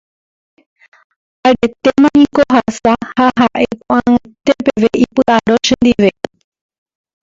aretéma niko ohasa ha ha'e ko'ag̃aite peve ipy'aro chendive